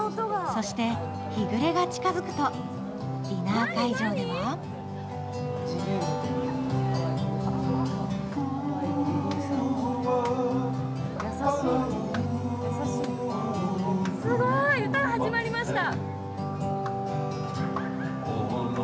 そして、日暮が近づくとディナー会場ではすごーい、歌、始まりました。